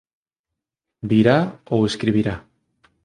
Virá ou escribirá.